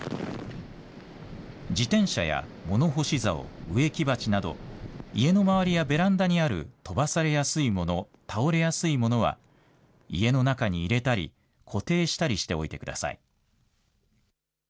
自転車や物干しざお、植木鉢など家の周りやベランダにある飛ばされやすいもの、倒れやすいものは家の中に入れたり固定したりしておいてください。